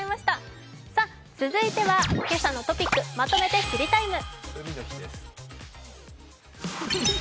続いては「けさのトピックまとめて知りＴＩＭＥ，」。